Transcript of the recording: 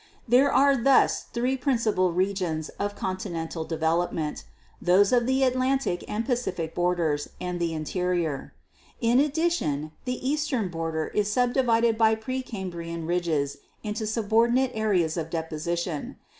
There are thus three principal regions of continental development: those of the Atlantic and Pacific borders and the interior. In addition, the eastern border is subdivided by pre Cam brian ridges into subordinate areas of deposition.